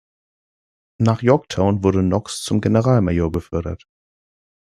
Nach Yorktown wurde Knox zum Generalmajor befördert.